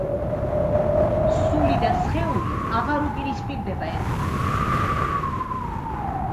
სული და სხეული აღარ უპირისპირდება ერთმანეთს.